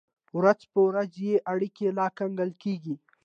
ورځ په ورځ یې اړیکې لا ګنګل کېږي.